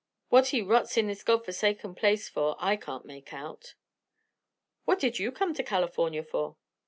What he rots in this God forsaken place for I can't make out." "What did you come to California for?"